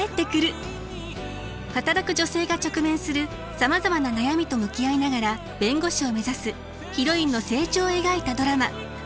働く女性が直面するさまざまな悩みと向き合いながら弁護士を目指すヒロインの成長を描いたドラマ。